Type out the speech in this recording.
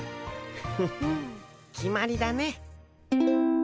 フフン決まりだね。